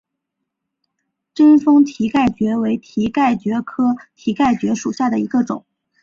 贞丰蹄盖蕨为蹄盖蕨科蹄盖蕨属下的一个种。